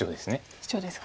シチョウですか。